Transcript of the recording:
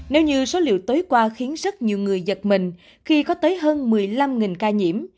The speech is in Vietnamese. nếu như số liệu tối qua khiến rất nhiều người giật mình khi có tới hơn một mươi năm ca nhiễm